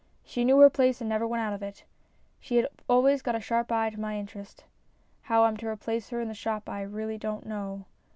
She knew her place and never went out of it. She had always got a sharp eye to my interest. How I'm to replace her in the shop I really don't know.